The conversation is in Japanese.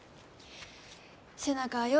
背中はよ